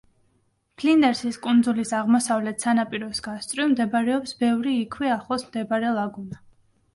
ფლინდერსის კუნძულის აღმოსავლეთ სანაპიროს გასწვრივ მდებარეობს ბევრი იქვე ახლოს მდებარე ლაგუნა.